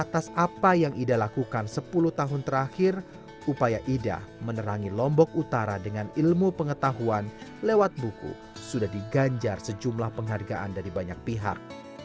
atas apa yang ida lakukan sepuluh tahun terakhir upaya ida menerangi lombok utara dengan ilmu pengetahuan lewat buku sudah diganjar sejumlah penghargaan dari banyak pihak